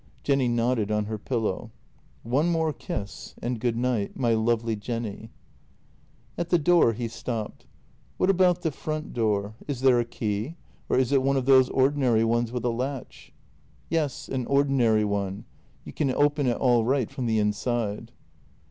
" Jenny nodded on her pillow. " One more kiss — and good night — my lovely Jenny." At the door he stopped: " What about the front door ? Is there a key, or is it one of those ordinary ones with a latch ?"" Yes, an ordinary one. You can open it all right from the inside."